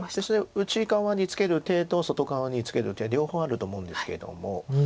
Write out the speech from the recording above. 内側にツケる手と外側にツケる手両方あると思うんですけれども。